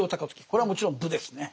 これはもちろん武ですね。